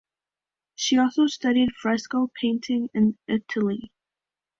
She also studied fresco painting in Italy.